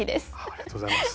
ありがとうございます。